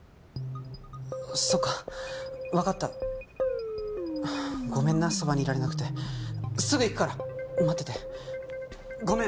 そっか分かったごめんなそばにいられなくてすぐ行くから待っててごめん